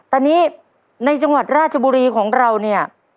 ตอนนี้ในจังหวัดราชบุรีของเราเนี่ย